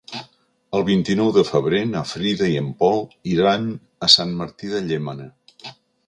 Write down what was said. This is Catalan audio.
El vint-i-nou de febrer na Frida i en Pol iran a Sant Martí de Llémena.